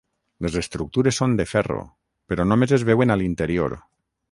Les estructures són de ferro però només es veuen a l'interior.